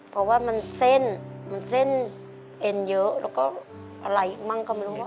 เพราะว่ามันเส้นมันเส้นเอ็นเยอะแล้วก็อะไรอีกบ้างก็ไม่รู้